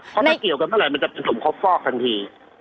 พอไม่เกี่ยวกันเมื่อไหร่มันจะเป็นถุงครบฟอกทันที